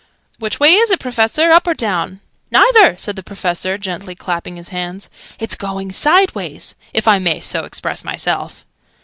Which way is it, Professor? Up or down?" "Neither!" said the Professor, gently clapping his hands. "It's going sideways if I may so express myself."